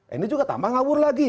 ini juga tambah ngawur lagi